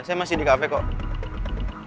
saya masih di cafe kok